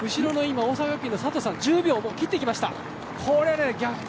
大阪学院の佐藤さんは１０秒、切ってきました。